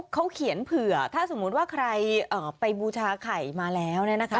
เขาเขียนเผื่อถ้าสมมุติว่าใครไปบูชาไข่มาแล้วเนี่ยนะคะ